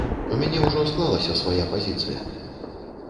У мяне ўжо склалася свая пазіцыя.